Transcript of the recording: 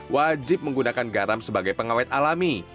wajib menggunakan garam sebagai pengawet alami